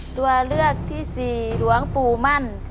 ตัวเลือกที่สี่หลวงปู่มั่น